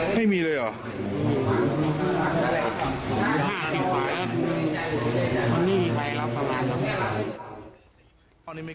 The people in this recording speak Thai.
ไม่มีเลยเหรอ